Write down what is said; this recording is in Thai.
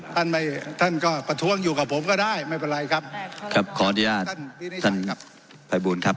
ท่านไม่ท่านก็ประท้วงอยู่กับผมก็ได้ไม่เป็นไรครับครับขออนุญาตท่านท่านครับภัยบูลครับ